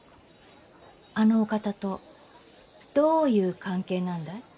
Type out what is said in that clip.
あのお方とどういう関係なんだい？